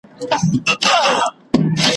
چي ميدان ويني مستيږي `